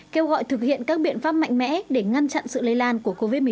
kêu gọi thực hiện các biện pháp mạnh mẽ để ngăn chặn sự lây lan của covid một mươi chín